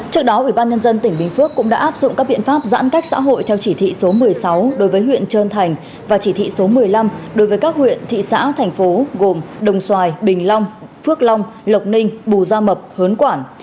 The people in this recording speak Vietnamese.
trước đó ubnd tỉnh bình phước cũng đã áp dụng các biện pháp giãn cách xã hội theo chỉ thị số một mươi sáu đối với huyện trơn thành và chỉ thị số một mươi năm đối với các huyện thị xã thành phố gồm đồng xoài bình long phước long lộc ninh bù gia mập hớn quản